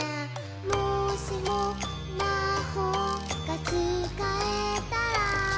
「もしもまほうがつかえたら」